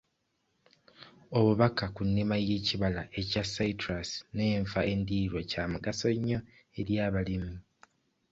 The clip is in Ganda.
Obubaka ku nnima y'ekibala kya citrus n'enva endiirwa kya mugaso nnyo eri abalimi.